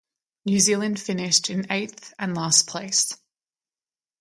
New Zealand finished in eighth and last place.